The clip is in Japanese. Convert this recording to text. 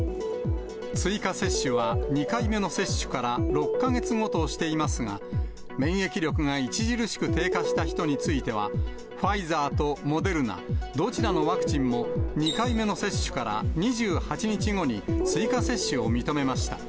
追加接種は２回目の接種から６か月後としていますが、免疫力が著しく低下した人については、ファイザーとモデルナ、どちらのワクチンも、２回目の接種から２８日後に追加接種を認めました。